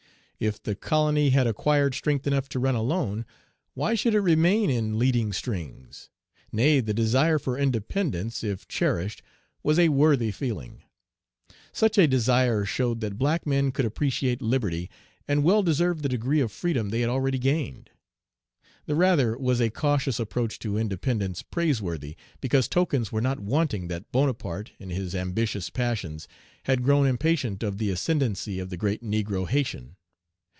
If the colony had acquired strength enough to run alone, why should it remain in leading strings? Nay, the desire for independence, if cherished, was a worthy feeling. Such a desire showed that black men could appreciate liberty, and well deserved the degree of freedom they had already gained. The Page 136 rather was a cautious approach to independence praiseworthy, because tokens were not wanting that Bonaparte, in his ambitious passions, had grown impatient of the ascendency of the great negro Haytian.